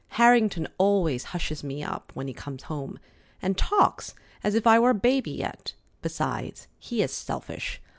Harrington always hushes me up when he comes home, and talks as if I were a baby yet. Besides, he is selfish.